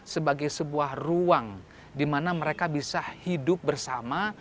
sebagai sebuah ruang di mana mereka bisa hidup bersama